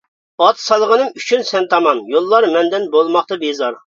ئات سالغىنىم ئۈچۈن سەن تامان، يوللار مەندىن بولماقتا بىزار.